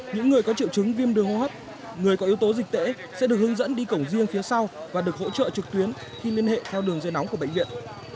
những người có triệu chứng viêm đường hô hấp người có yếu tố dịch tễ sẽ được hướng dẫn đi cổng riêng phía sau và được hỗ trợ trực tuyến khi liên hệ theo đường dây nóng của bệnh viện